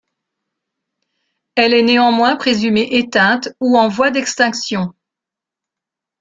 Elle est néanmoins présumée éteinte, ou en voie d'extinction.